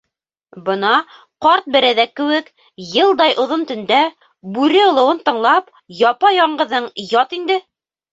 Бына, ҡарт берәҙәк кеүек, йылдай оҙон төндә, бүре олоуын тыңлап, япа-яңғыҙың ят инде.